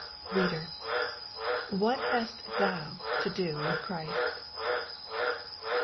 Reader, what hast thou to do with Christ?